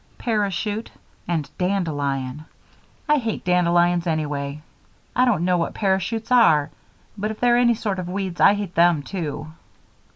"'Parachute' and 'dandelion.' I hate dandelions, anyway. I don't know what parachutes are, but if they're any sort of weeds I hate them, too."